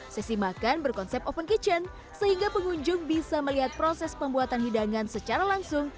sesi makan berkonsep open kitchen sehingga pengunjung bisa melihat proses pembuatan hidangan secara langsung